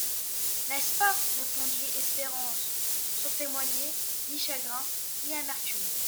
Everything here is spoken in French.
N'est-ce pas ? répondit Espérance, sans témoigner ni chagrin ni amertume.